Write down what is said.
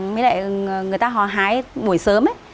với lại người ta hóa hái buổi sớm ấy